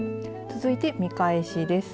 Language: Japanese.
続いて見返しです。